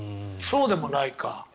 そうでもないか。